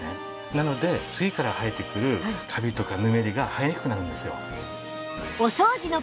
なので次から生えてくるカビとかぬめりが生えにくくなるんですよ。